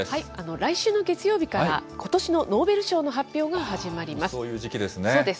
来週の月曜日から、ことしのノーベル賞の発表が始まります。